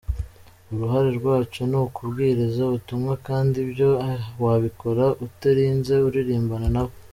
uruhare rwacu ni ukubwiriza ubutumwa kandi ibyo wabikora utarinze uririmbana nabo.